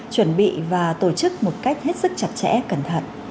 chuẩn bị và tổ chức một cách hết sức chặt chẽ cẩn thận